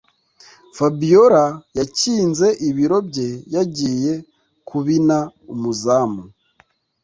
fabiora yakinze ibiro bye yagiye kubina umuzamu